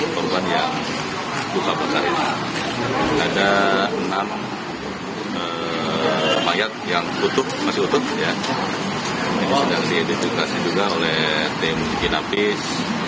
perubahan yang buka buka ini ada enam mayat yang masih utuh yang sedang diidentifikasi juga oleh tim napis